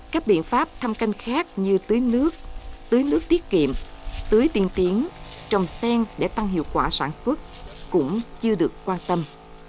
các biện pháp thăm canh khác như tưới nước tưới nước tiết kiệm tưới tiên tiến trồng sen để tăng hiệu quả sản xuất cũng chưa được quan tâm